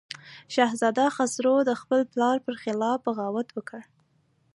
شهزاده خسرو د خپل پلار پر خلاف بغاوت وکړ.